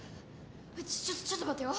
ちょっちょっちょっと待ってよ。